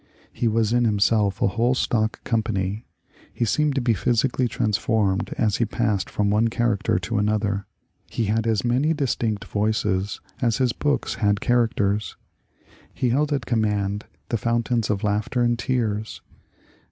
He was in himself a whole stock company. He seemed to be physically transformed as he passed from one character to another ; he had as many distinct voices as his books had characters ; he held at command the fountains 8 MONCURE DANIEL CONWAY of laughter and tears.